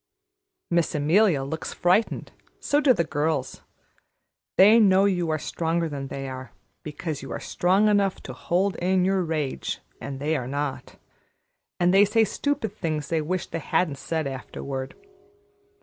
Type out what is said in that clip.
Miss Amelia looks frightened, so do the girls. They know you are stronger than they are, because you are strong enough to hold in your rage and they are not, and they say stupid things they wish they hadn't said afterward.